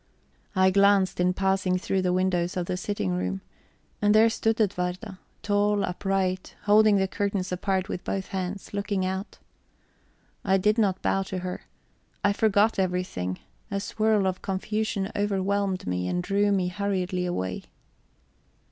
I glanced in passing through the windows of the sitting room; and there stood Edwarda, tall, upright, holding the curtains apart with both hands, looking out. I did not bow to her: I forgot everything; a swirl of confusion overwhelmed me and drew me hurriedly away.